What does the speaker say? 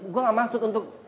gue gak maksud untuk